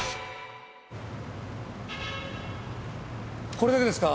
これだけですか？